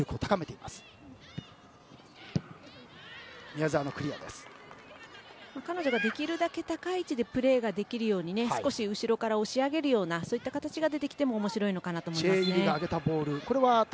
宮澤選手ができるだけ高い位置でプレーできるように少し後ろから押し上げるような形が出てきても面白いのかなと思います。